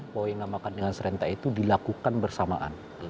poin yang dimakan dengan serentak itu dilakukan bersamaan